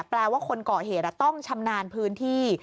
แปลว่าคนก่อเหตุต้องชำนาญพื้นที่